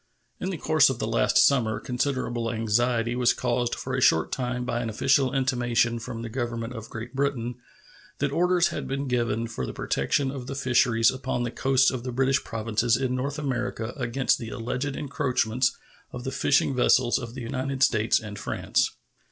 In the course of the last summer considerable anxiety was caused for a short time by an official intimation from the Government of Great Britain that orders had been given for the protection of the fisheries upon the coasts of the British provinces in North America against the alleged encroachments of the fishing vessels of the United States and France.